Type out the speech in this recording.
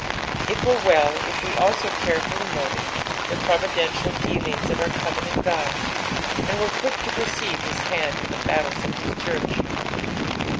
It were well if we also carefully noted the providential dealing of our oovenant Qod, and were quick to perceire his hand in the battles of hia church.